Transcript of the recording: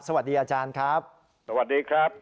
สวัสดีอาจารย์ครับสวัสดีครับ